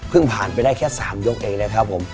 เพิ่งผ่านไปได้แค่๓ยกเองนะครับผม